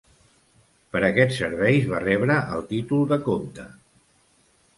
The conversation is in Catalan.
Per aquests serveis va rebre el títol de comte.